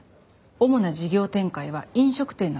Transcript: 主な事業展開は飲食店の経営。